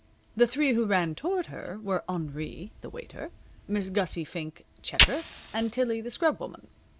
The three who ran toward her were Henri, the waiter, Miss Gussie Fink, checker, and Tillie, the scrub woman.